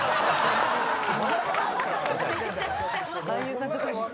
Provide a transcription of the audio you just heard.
俳優さんちょっと。